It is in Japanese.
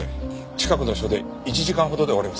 近くの署で１時間ほどで終わります。